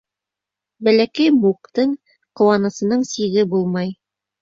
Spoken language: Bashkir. Бәләкәй Муктың ҡыуанысының сиге булмай.